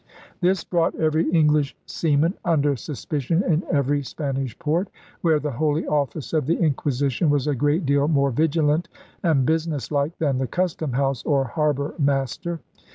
This brought every English seaman under suspicion in every Spanish port, where the Holy Office of the Inqui sition was a great deal more vigilant and business like than the Custom House or Harbor Master.